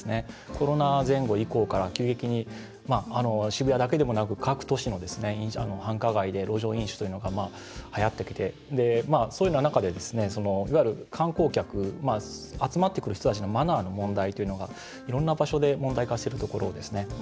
コロナ前後以降から急激に、渋谷だけではなく各都市の繁華街で路上飲酒というのが、はやってきてそういうような中でいわゆる、観光客集まってくる人たちのマナーの問題っていうのがいろんな場所で問題化するところですね。